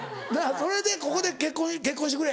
それでここで「結婚してくれ」。